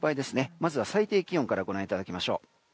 まずは最低気温からご覧いただきましょう。